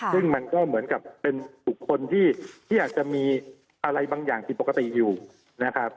ซึ่งมันก็เหมือนกับเป็นบุคคลที่อาจจะมีอะไรบางอย่างผิดปกติอยู่นะครับ